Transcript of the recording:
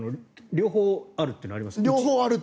両方あるというのもあります。